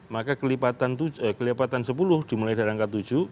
maka kelipatan sepuluh dimulai dari angka tujuh